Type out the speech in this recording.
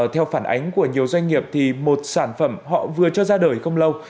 theo phản ánh của nhiều doanh nghiệp thì một sản phẩm họ vừa cho ra đời không lâu